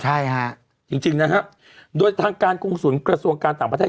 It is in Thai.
ใช่ฮะจริงจริงนะฮะโดยทางการกรุงศูนย์กระทรวงการต่างประเทศ